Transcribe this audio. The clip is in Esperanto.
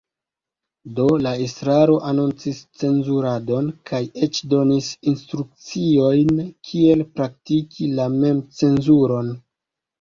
Do, la estraro anoncis cenzuradon kaj eĉ donis instrukciojn kiel praktiki la memcenzuron.